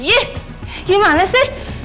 ih gimana sih